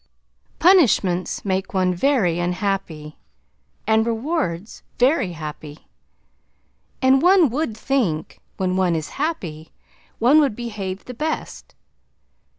Punishments make one very unhappy and rewards very happy, and one would think when one is happy one would behave the best.